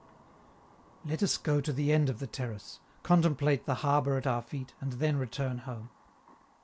Let us go to the end of the terrace, contemplate the harbor at our feet, and then return home.